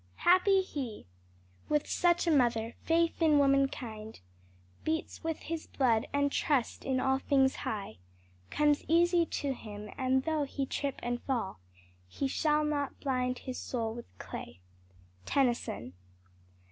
"Happy he With such a mother! faith in womankind Beats with his blood, and trust in all things high Comes easy to him, and though he trip and fall He shall not blind his soul with clay." _Tennyson.